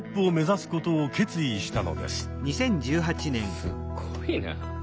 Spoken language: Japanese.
すごいな。